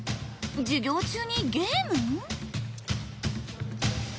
授業中にゲーム？